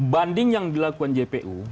banding yang dilakukan jpu